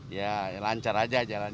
ya lancar aja jalan